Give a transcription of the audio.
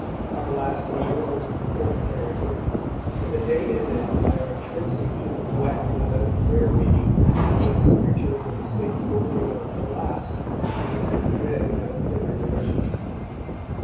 Our last meal was of the former character, and the day ended by our trapesing through the wet to another prayer meeting, whence I returned in a state bordering on collapse and was put to bed without further nourishment.